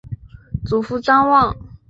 祖父张旺。